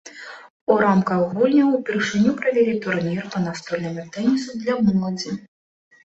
У рамках гульняў ўпершыню правялі турнір па настольнаму тэнісу для моладзі.